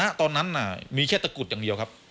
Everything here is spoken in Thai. ณตอนนั้นมีแค่ตะกุดอย่างเดียวครับ